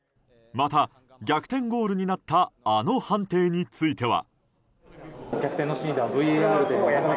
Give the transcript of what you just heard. また、逆転ゴールになったあの判定については。